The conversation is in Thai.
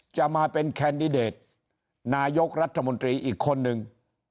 จะมาเป็นแคนดิเดตนายกรัฐมนตรีอีกคนนึง